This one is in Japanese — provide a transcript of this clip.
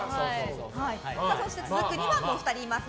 そして、続く２番もお二人います。